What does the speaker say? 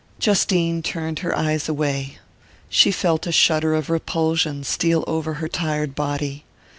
Justine turned her eyes away: she felt a shudder of repulsion steal over her tired body.